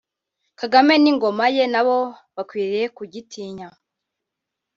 Kagame n’ingoma ye nabo bakwiriye kugitinya